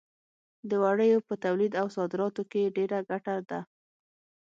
د وړیو په تولید او صادراتو کې ډېره ګټه ده.